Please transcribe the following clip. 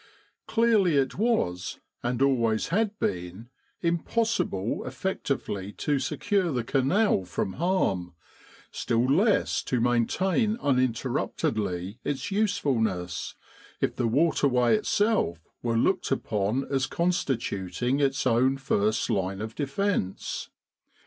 Clearly it was, and always had been, impossible effectively to secure the Canal from harm, still less to maintain uninterruptedly its 'usefulness, if fthe waterway itself were looked upon as constituting its own first line of defence.